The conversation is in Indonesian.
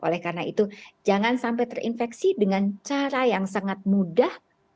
oleh karena itu jangan sampai terinfeksi dengan cara yang sangat mudah